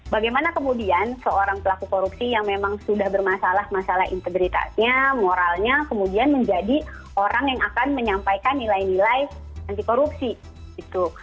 bagaimana kemudian seorang pelaku korupsi yang memang sudah bermasalah masalah integritasnya moralnya kemudian menjadi orang yang akan menyampaikan nilai nilai anti korupsi gitu